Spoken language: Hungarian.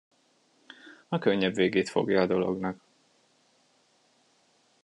A könnyebb végét fogja a dolognak.